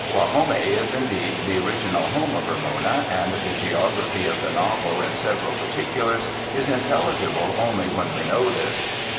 Guajome is indeed the original home of Ramona and the geography of the novel in several particulars is intelligible only when we know this.